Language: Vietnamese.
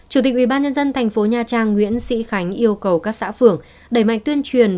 chủ tịch ubnd thành phố nha trang nguyễn sĩ khánh yêu cầu các xã phường đẩy mạnh tuyên truyền